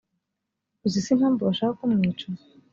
uzi se impamvu bashaka kumwica